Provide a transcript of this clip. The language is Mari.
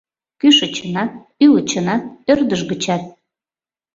Кӱшычынат, ӱлычынат, ӧрдыж гычат.